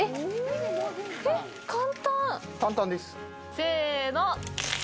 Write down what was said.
せの！